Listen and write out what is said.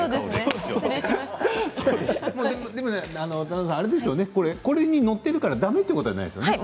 でもこれに載っているからだめということはないですよね。